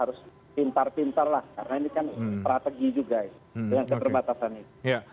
karena ini kan strategi juga ya dengan keterbatasan ini